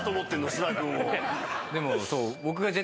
菅田君を。